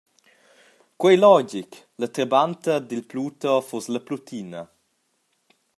Quei ei logic, la trabanta dil Pluto fuss La Plutina.